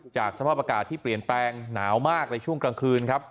สภาพอากาศที่เปลี่ยนแปลงหนาวมากในช่วงกลางคืนครับ